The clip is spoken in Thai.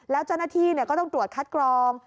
แล้วเจ้าหน้าที่ก็ต้องตรวจคัดกรอง